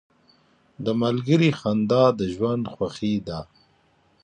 • د ملګري خندا د ژوند خوښي ده.